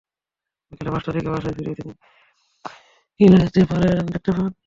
বিকেল পাঁচটার দিকে বাসায় ফিরে তিনি ভেতর থেকে ছিটকিনি লাগানো দেখতে পান।